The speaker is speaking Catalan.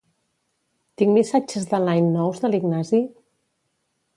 Tinc missatges de Line nous de l'Ignasi?